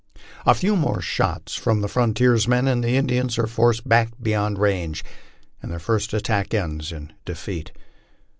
A few more shots from the frontiersmen and the Indians are forced back beyond range, and their first attack ends in defeat.